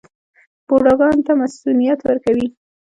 بوډاګانو ته مصوونیت ورکوي.